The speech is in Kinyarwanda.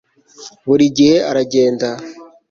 buri gihe aragenda